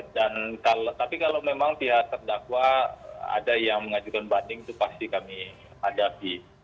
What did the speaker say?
dan kalau tapi kalau memang pihak terdakwa ada yang mengajukan banding itu pasti kami hadapi